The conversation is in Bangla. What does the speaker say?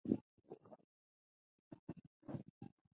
এছাড়াও, ব্রিটিশ রাজনীতিবিদ ছিলেন তিনি।